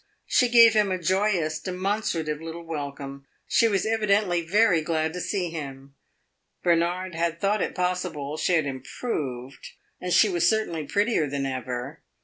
She gave him a joyous, demonstrative little welcome; she was evidently very glad to see him. Bernard had thought it possible she had "improved," and she was certainly prettier than ever.